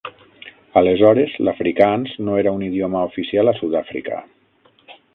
Aleshores, l'afrikaans no era un idioma oficial a Sud-àfrica.